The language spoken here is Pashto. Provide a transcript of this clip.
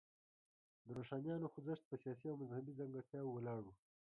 د روښانیانو خوځښت په سیاسي او مذهبي ځانګړتیاوو ولاړ و.